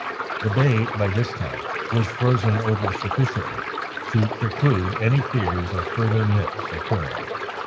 The bay, by this time, was frozen over sufficiently to preclude any fears of further nips occurring.